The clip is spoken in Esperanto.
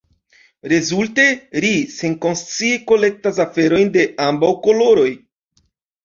Rezulte, ri senkonscie kolektas aferojn de ambaŭ koloroj.